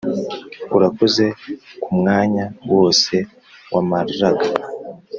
urakoze kumwanya wose wamaraga